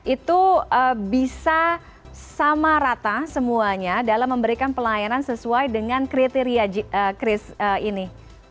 itu bisa sama rata semuanya dalam memberikan pelayanan sesuai dengan kriteria kris ini